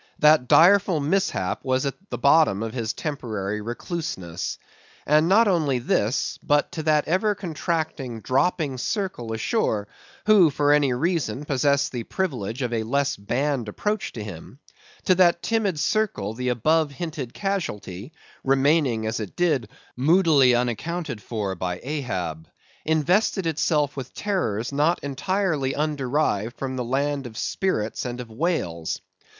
That direful mishap was at the bottom of his temporary recluseness. And not only this, but to that ever contracting, dropping circle ashore, who, for any reason, possessed the privilege of a less banned approach to him; to that timid circle the above hinted casualty—remaining, as it did, moodily unaccounted for by Ahab—invested itself with terrors, not entirely underived from the land of spirits and of wails.